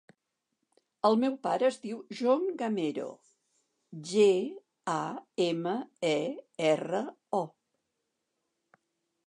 El meu pare es diu John Gamero: ge, a, ema, e, erra, o.